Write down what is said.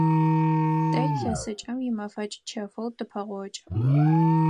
Тэ илъэсыкӏэм имэфэкӏ чэфэу тыпэгъокӏы.